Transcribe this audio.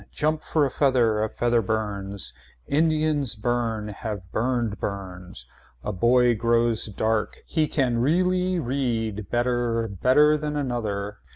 Jump for a feather. A feather burns. Indians burn have burned burns. A boy grows dark. He can really read better better than another.